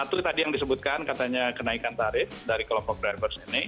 satu tadi yang disebutkan katanya kenaikan tarif dari kelompok bribers ini